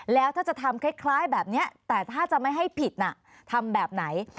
แล้วถ้าจะทำคล้ายแบบนี้แต่ถ้าจะไม่ให้ผิดน่ะทำแบบไหน